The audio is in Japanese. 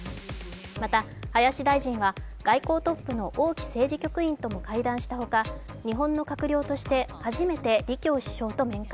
また、林大臣は外交トップの王毅政治局員とも会談したほか、日本の閣僚として初めて李強首相と面会。